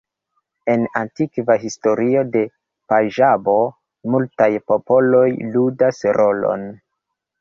En antikva historio de Panĝabo multaj popoloj ludas rolon.